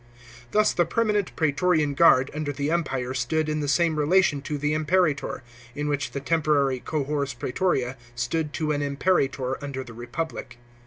Thus the permanent praetorian guard under the Empire stood in the same relation to the Imperator, in which the temporary cohors prsetoria stood to an imperator under the Kepublic.